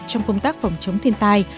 trong công tác phòng chống thiên tai